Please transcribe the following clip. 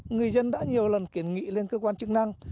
người dân đã nhiều lần kiến nghị lên cơ quan chức năng